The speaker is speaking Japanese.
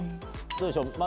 どうでしょう？